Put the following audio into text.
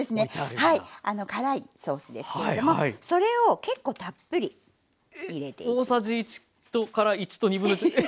はいあの辛いソースですけれどもそれを結構たっぷり入れていきます。